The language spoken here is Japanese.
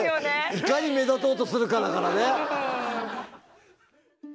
いかに目立とうとするかだからね。